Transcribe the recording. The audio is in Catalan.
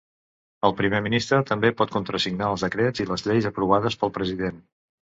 El primer ministre també pot contrasignar els decrets i les lleis aprovades pel president.